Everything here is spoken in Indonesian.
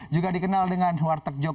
juga dikenal dengan warteg jog